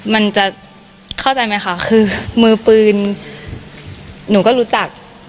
มันจะเข้าใจไหมคะคือมือปืนหนูก็รู้จัก